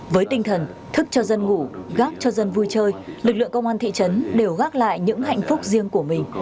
với tinh thần thức cho dân ngủ gác cho dân vui chơi lực lượng công an thị trấn đều gác lại những hạnh phúc riêng của mình